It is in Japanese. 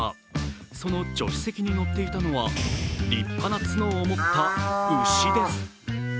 その助手席に乗っていたのは立派な角を持った牛です。